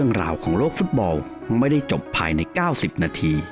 สวัสดีครับผม